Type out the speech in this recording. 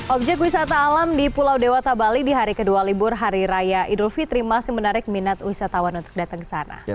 objek wisata alam di pulau dewata bali di hari kedua libur hari raya idul fitri masih menarik minat wisatawan untuk datang ke sana